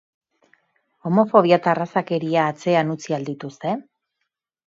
Homofobia eta arrazakeria atzean utzi al dituzte?